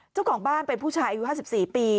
เจ้าของบ้านเป็นผู้ชายอายุ๕๔ปี